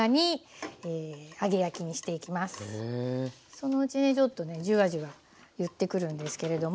そのうちねちょっとねジュワジュワいってくるんですけれども。